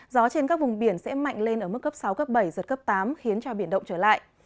gió trên các vùng biển sẽ mạnh lên ở mức cấp sáu cấp bảy giật cấp tám khiến cho biển động trở lại